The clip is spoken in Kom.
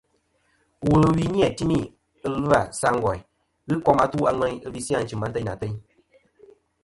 Wul ɨ wi nɨ̀ lum nɨn tumî ɨlvâ sa ngòyn ghɨ kom atu a ŋweyn ɨ visi ànchɨ̀m antêynɨ̀ àtu nɨ̀ ŋweyn.